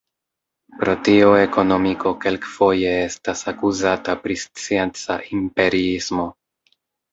Pro tio ekonomiko kelkfoje estas akuzata pri scienca imperiismo.